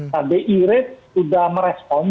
nah di rate sudah merespon